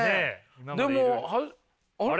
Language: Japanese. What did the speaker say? でもあれ？